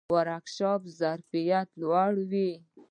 ورکشاپونه ظرفیت لوړوي